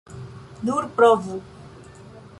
Nur provu.